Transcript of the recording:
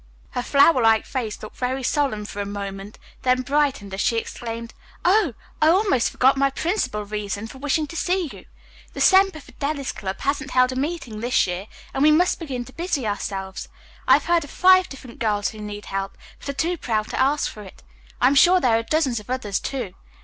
Her flower like face looked very solemn for a moment, then brightened as she exclaimed: "Oh, I almost forgot my principal reason for wishing to see you. The Semper Fidelis Club hasn't held a meeting this year, and we must begin to busy ourselves. I have heard of five different girls who need help, but are too proud to ask for it. I am sure there are dozens of others, too.